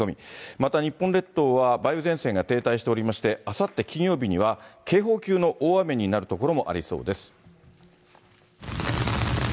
また、日本列島は梅雨前線が停滞しておりまして、あさって金曜日には、警報級の大雨になる所もありそうです。